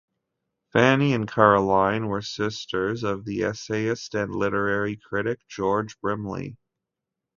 Fanny and Caroline were sisters of the essayist and literary critic George Brimley.